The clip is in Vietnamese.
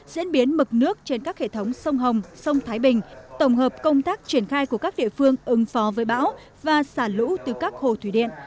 diễn biến mực nước trên các hệ thống sông hồng sông thái bình tổng hợp công tác triển khai của các địa phương ứng phó với bão và xả lũ từ các hồ thủy điện